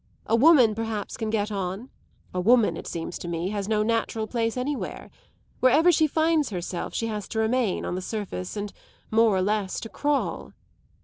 A woman perhaps can get on; a woman, it seems to me, has no natural place anywhere; wherever she finds herself she has to remain on the surface and, more or less, to crawl.